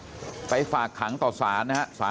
ลูกสาวหลายครั้งแล้วว่าไม่ได้คุยกับแจ๊บเลยลองฟังนะคะ